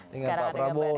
dengan pak prabowo